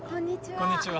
こんにちは。